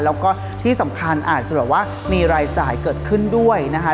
แล้วก็ที่สำคัญอาจจะแบบว่ามีรายจ่ายเกิดขึ้นด้วยนะคะ